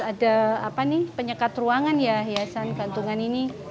ada penyekat ruangan ya hiasan gantungan ini